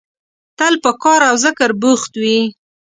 تل په کار او ذکر بوخت وي.